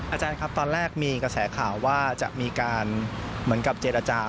อาจารย์ครับตอนแรกมีกระแสข่าวว่าจะมีการเหมือนกับเจรจา